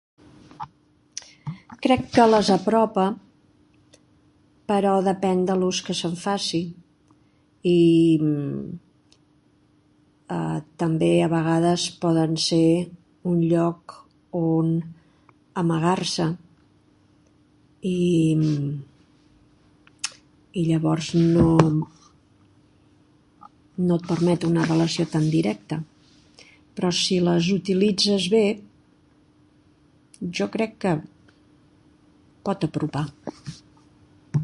crec que les apropa, però depèn de l'ús que se'n faci i també a vegades poden ser un lloc on amagar-se i llavors no et permet una relació tan directe, però si les utilitzes bé, jo crec que pot apropar.